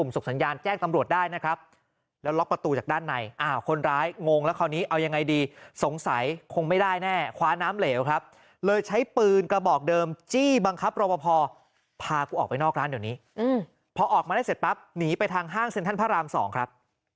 สงสัยคงไม่ได้แน่คว้าน้ำเหลวครับเลยใช้ปืนกระบอกเดิมจี้บังคับรอบพอพากูออกไปนอกร้านเดี๋ยวนี้อืมพอออกมาได้เสร็จปั๊บหนีไปทางห้างเซ็นทรัลพระรามสองครับ